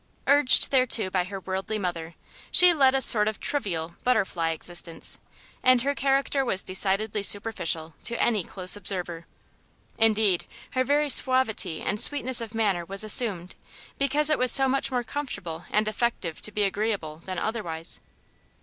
Urged thereto by her worldly mother, she led a sort of trivial, butterfly existence, and her character was decidedly superficial to any close observer. Indeed, her very suavity and sweetness of manner was assumed, because it was so much more comfortable and effective to be agreeable than otherwise.